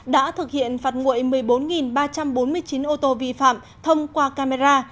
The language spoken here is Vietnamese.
đã thực hiện phạt nguội một mươi bốn ba trăm bốn mươi chín ô tô vi phạm thông qua camera